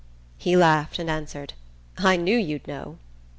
He laughed and answered: "I knew you'd know!"